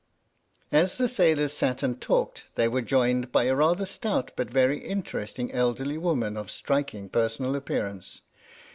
As the sailors sat and talked they were joined by a rather stout but very interesting elderly woman of striking personal appearance.